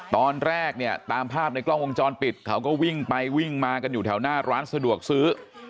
ตอนแรกเนี่ยตามภาพในกล้องวงจรปิดเขาก็วิ่งไปวิ่งมากันอยู่แถวหน้าร้านสะดวกซื้อ